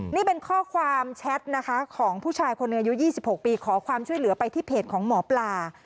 นี่เป็นข้อความแชทนะคะของผู้ชายคนหนึ่งอายุ๒๖ปีขอความช่วยเหลือไปที่เพจของหมอปลา